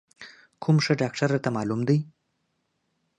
کوم ښه ډاکتر درته معلوم دی؟